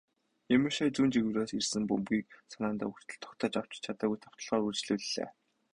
Мемушай зүүн жигүүрээс ирсэн бөмбөгийг санаандаа хүртэл тогтоож авч чадаагүй ч довтолгоогоо үргэлжлүүллээ.